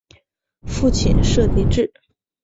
父亲厍狄峙。